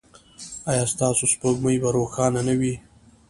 ایا ستاسو سپوږمۍ به روښانه نه وي؟